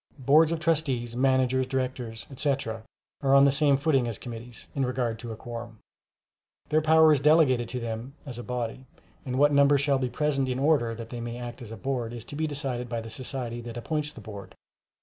Boards of Trustees, Managers, Directors, etc., are on the same footing as committees, in regard to a quorum. Their power is delegated to them as a body, and what number shall be present in order that they may act as a Board, is to be decided by the society that appoints the Board.